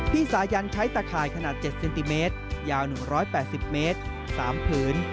สายันใช้ตะข่ายขนาด๗เซนติเมตรยาว๑๘๐เมตร๓ผืน